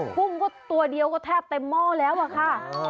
พุ่งตัวเดียวก็แทบใต้หม้อแล้วค่ะ